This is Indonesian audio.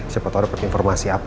siapa tahu dapat informasi apa